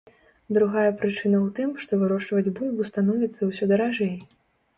Другая прычына ў тым, што вырошчваць бульбу становіцца ўсё даражэй.